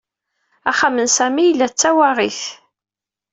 Axxam n Sami yella d tawaɣit.